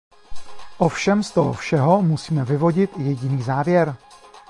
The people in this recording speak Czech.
Ovšem z toho všeho musíme vyvodit jediný závěr.